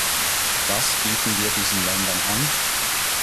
Was bieten wir diesen Ländern an?